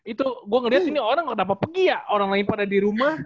itu gua ngeliat ini orang kenapa pergi ya orang lain pada dirumah